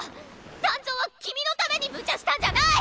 団長は君のためにむちゃしたんじゃない！